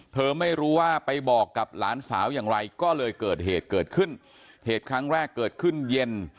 เธอไม่รู้ว่าไปบอกกับหลานสาวอย่างไรก็เลยเกิดเหตุเกิดขึ้นเหตุครั้งแรกเกิดขึ้นเย็น